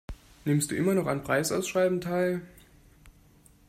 Nimmst du immer noch an Preisausschreiben teil?